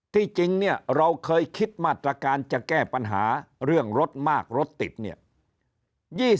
ที่จริงเราเคยคิดมาตรการจะแก้ปัญหาเรื่องรถมากรถติด